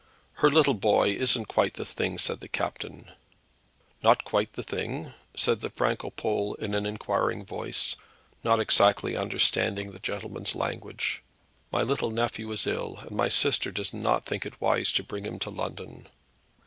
"Her little boy isn't quite the thing," said the captain. "Not quite de ting?" said the Franco Pole in an inquiring voice, not exactly understanding the gentleman's language. "My little nephew is ill, and my sister does not think it wise to bring him to London."